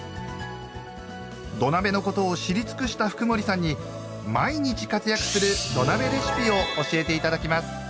土鍋のことを知り尽くした福森さんに毎日活躍する土鍋レシピを教えて頂きます。